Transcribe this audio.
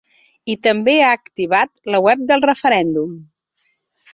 I també ha activat la web del referèndum.